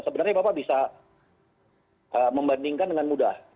sebenarnya bapak bisa membandingkan dengan mudah